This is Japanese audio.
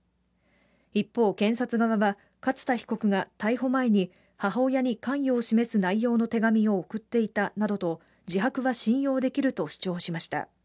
一方、検察側は勝田被告が逮捕前に、母親に関与を示す内容の手紙を送っていたなどと自白は信用できると主張しました。